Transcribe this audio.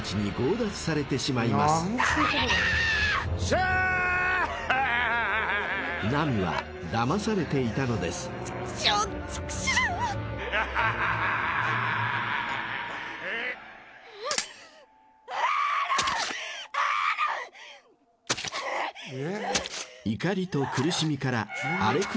［怒りと苦しみから］